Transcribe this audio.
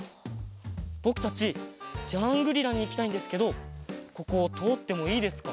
ぼくたちジャングリラにいきたいんですけどこことおってもいいですか？